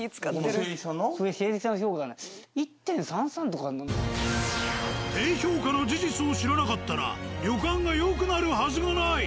「勢力」さんの評価が低評価の事実を知らなかったら旅館がよくなるはずがない。